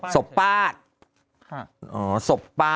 สบป้า